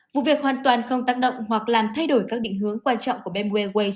vụ việc hoàn toàn không tác động hoặc làm thay đổi các định hướng quan trọng của bambo airways